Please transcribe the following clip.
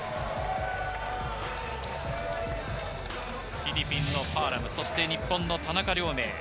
フィリピンのパアラムそして日本の田中亮明。